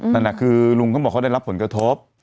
นั่นแหละคือลุงเขาบอกเขาได้รับผลกระทบ